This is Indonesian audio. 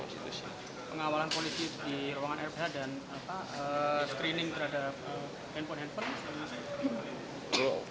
pengawalan polisi di ruangan lph dan screening terhadap handphone handphone